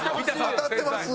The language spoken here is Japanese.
当たってます？